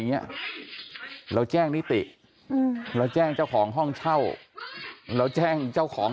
เนี้ยเราแจ้งนิติอืมแล้วแจ้งเจ้าของห้องเช่าแล้วแจ้งเจ้าของ